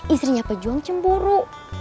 istrinya pejuang cemburu